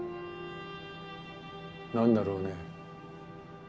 何だろうね